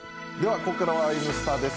ここからは「Ｎスタ」です。